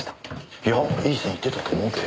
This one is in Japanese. いやいい線いってたと思うけど。